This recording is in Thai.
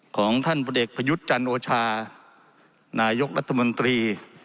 ของท่านพระเด็กพยุทธ์จันทร์โอชานายกรัฐมนตรี